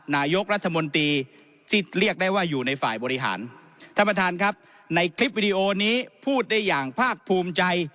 ในคลิปวีดีโอนี้พูดได้อย่างภาคภูมิใจ